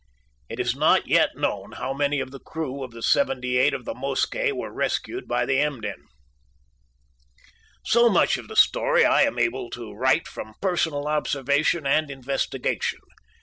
It is not yet known how many of the crew of the 78 of the Mosquet were rescued by the Emden. So much of the story I am able to write from personal observation and investigation.